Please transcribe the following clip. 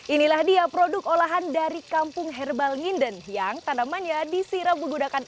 inilah dia produk olahan dari kampung herbal nginden yang tanamannya disiram menggunakan